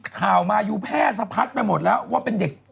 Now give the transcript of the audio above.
ข่าวมายูแพร่สะพัดไปหมดแล้วว่าเป็นเด็ก